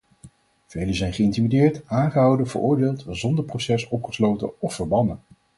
Velen zijn geïntimideerd, aangehouden, veroordeeld, zonder proces opgesloten of verbannen.